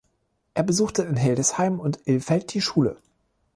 Er besuchte in Hildesheim und Ilfeld die Schule.